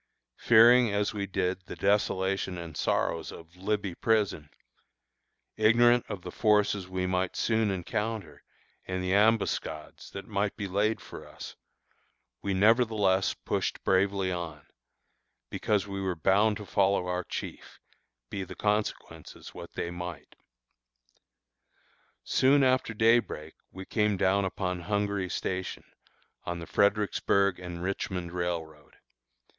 Fearing as we did the desolation and sorrows of "Libby Prison," ignorant of the forces we might soon encounter, and the ambuscades that might be laid for us, we nevertheless pushed bravely on, because we were bound to follow our chief, be the consequences what they might. Soon after day break we came down upon Hungary Station, on the Fredericksburg and Richmond Railroad.